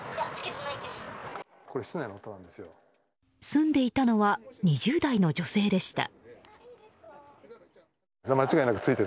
住んでいたのは２０代の女性でした。